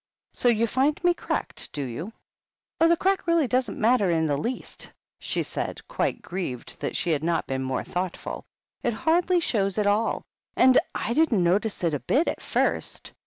So you find me ei^ackedy do you ?" "Oh, the crack really doesn't matter in the least," she said, quite grieved that she had not been more thoughtful; "it hardly shows at all, and I didn't notice it a bit at first.